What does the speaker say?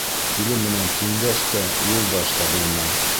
Тиле менән тиңдәш тә, юлдаш та булма.